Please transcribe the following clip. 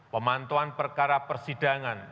pemantuan perkara persidangan